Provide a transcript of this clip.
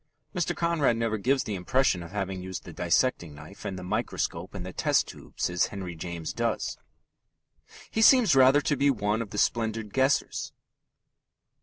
Mr. Conrad never gives the impression of having used the dissecting knife and the microscope and the test tubes as Henry James does. He seems rather to be one of the splendid guessers.